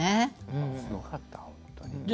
すごかった本当に。